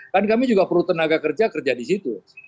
kan kami juga perlu tenaga kerja kerja di situ